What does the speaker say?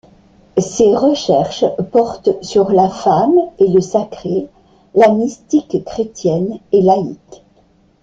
Ses recherches portent sur la femme et le sacré, la mystique chrétienne et laïque.